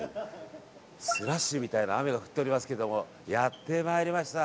スラッシュみたいな雨が降っておりますがやって参りました